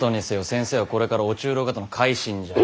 先生はこれから御中臈方の回診じゃ。